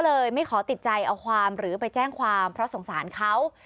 เลยไม่ขอติดใจเอาความหรือไปแจ้งความเพราะสงสารเขา